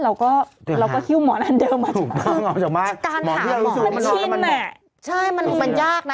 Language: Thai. เราก็คิ้วหมอนอันเดิมมาก